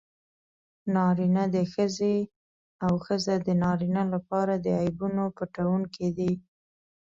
نارینه د ښځې او ښځه د نارینه لپاره د عیبونو پټوونکي دي.